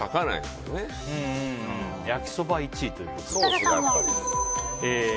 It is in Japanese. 焼きそば１位ということで。